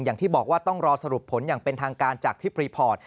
อย่างที่บอกว่าต้องรอสรุปผลอย่างเป็นทางการจากทริปรีพอร์ต